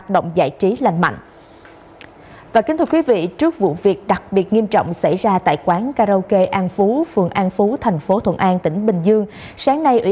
đối với cái chương trình mới này